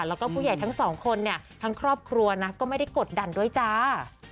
แล้วก็ผู้ใหญ่ทั้งสองคนเนี่ยทั้งครอบครัวนะก็ไม่ได้กดดันด้วยจ้า